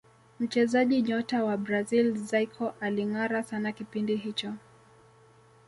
mchezaji nyota wa brazil zico alingara sana kipindi hicho